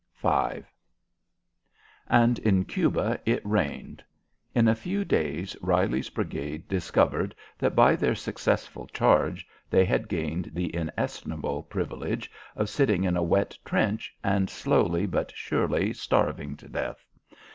V And in Cuba it rained. In a few days Reilly's brigade discovered that by their successful charge they had gained the inestimable privilege of sitting in a wet trench and slowly but surely starving to death.